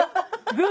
グー。